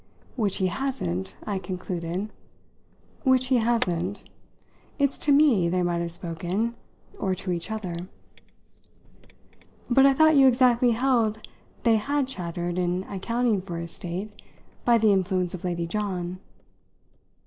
"Which he hasn't!" I concluded. "Which he hasn't. It's to me they might have spoken or to each other." "But I thought you exactly held they had chattered in accounting for his state by the influence of Lady John."